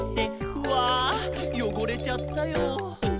「うぁよごれちゃったよ」